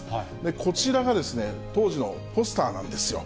こちらが、当時のポスターなんですよ。